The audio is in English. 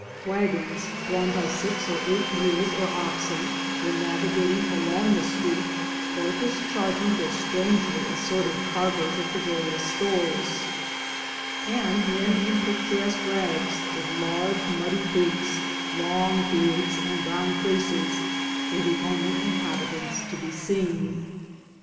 Wagons, drawn by six or eight mules or oxen, were' navigating along the street, or discharging their strangely assorted cargoes at the various stores; and men in picturesque rags, with large muddy boots, long beards, and brown faces, were the only inhabit ants to be seen.